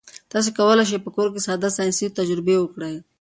تاسي کولای شئ په کور کې ساده ساینسي تجربې وکړئ.